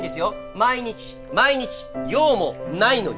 毎日毎日用もないのに！